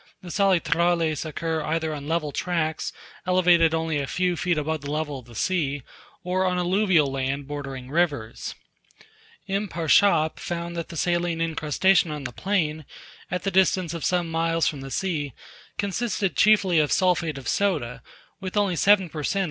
The salitrales occur either on level tracts elevated only a few feet above the level of the sea, or on alluvial land bordering rivers. M. Parchappe found that the saline incrustation on the plain, at the distance of some miles from the sea, consisted chiefly of sulphate of soda, with only seven per cent.